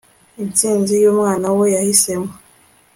intsinzi y'umwana we yahisemo